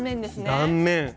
断面。